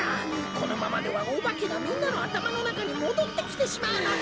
このままではおばけがみんなのあたまのなかにもどってきてしまうのだ！